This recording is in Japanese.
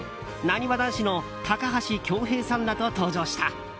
なにわ男子の高橋恭平さんらと登場した。